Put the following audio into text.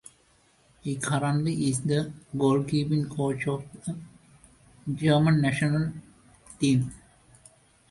He currently is the goalkeeping coach of the German national team.